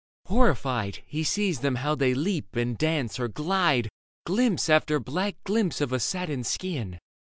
Horrified, He sees them how they leap and dance, or glide, Glimpse after black glimpse of a satin skin.